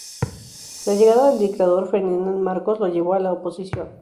La llegada del dictador Ferdinand Marcos lo llevó a la oposición.